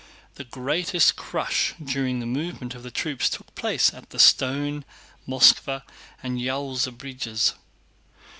The greatest crush during the movement of the troops took place at the Stone, Moskvá, and Yaúza bridges.